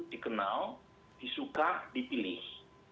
dikenal disuka dipilih